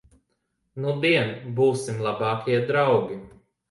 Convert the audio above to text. Nudien būsim labākie draugi?